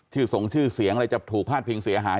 ส่งชื่อเสียงอะไรจะถูกพลาดพิงเสียหาย